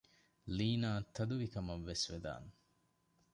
ލީނާއަށް ތަދުވީ ކަމަށްވެސް ވެދާނެ